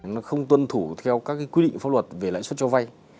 nó không tuân thủ theo các quy định pháp luật về lãnh xuất cho vay